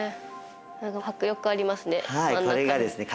迫力ありますね。